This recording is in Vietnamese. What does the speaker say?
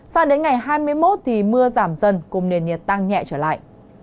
so với ngày hai mươi một mưa giảm dần cùng nền nhiệt tăng nhẹ trở lại